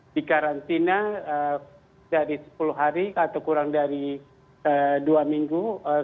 di karantina dari sepuluh hari atau kurang dari dua minggu